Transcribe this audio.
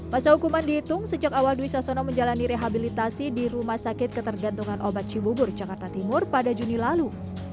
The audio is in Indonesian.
masa hukuman dihitung sejak awal dwi sasono menjalani rehabilitasi di rumah sakit ketergantungan obat cibubur jakarta timur pada juni lalu